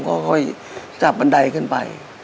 ก็ค่อยจับบันไดขึ้นไป